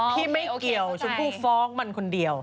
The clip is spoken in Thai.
ไม่เกี่ยวชมพู่ฟ้องมันคนเดียว